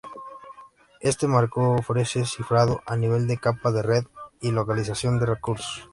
Este marco ofrece cifrado a nivel de capa de red y localización de recursos.